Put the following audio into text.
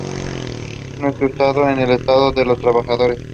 Nuestro Estado es un Estado de los trabajadores.